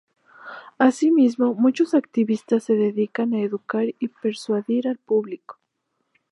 Asimismo muchos activistas se dedican a educar y persuadir al público.